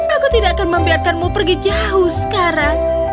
aku tidak akan membiarkanmu pergi jauh sekarang